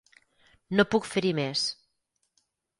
No puc fer-hi més.